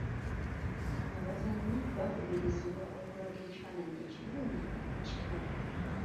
Abazannyi bakubiizibwa okulaga ekifaananyi ekirungi mu kitundu.